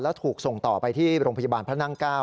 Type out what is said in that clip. แล้วถูกส่งต่อไปที่โรงพยาบาลพระนั่ง๙